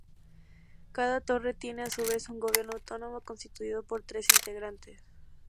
Cada torre tiene, a su vez, un gobierno autónomo, constituido por tres integrantes.